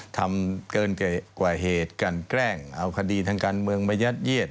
ทำเกินกว่าเหตุกันแกล้งเอาคดีทางการเมืองมายัดเยียด